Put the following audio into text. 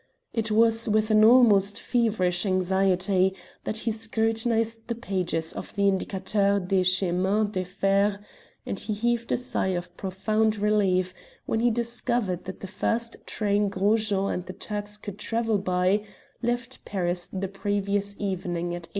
It was with an almost feverish anxiety that he scrutinized the pages of the indicateur des chemins de fer, and he heaved a sigh of profound relief when he discovered that the first train Gros Jean and the Turks could travel by left Paris the previous evening at 8.